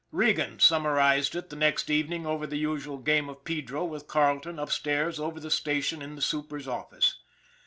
Regan summarized it the next evening over the usual game of pedro with Carleton, upstairs over the station in the super's office.